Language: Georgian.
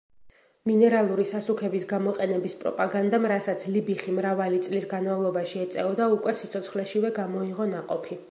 მინერალური სასუქების გამოყენების პროპაგანდამ, რასაც ლიბიხი მრავალი წლის განმავლობაში ეწეოდა, უკვე სიცოცხლეშივე გამოიღო ნაყოფი.